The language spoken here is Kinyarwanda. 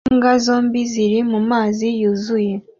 Imbwa zombi ziri mumazi yuzuye